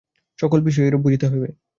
সকল বিষয়ে এইরূপ বুঝিতে হইবে।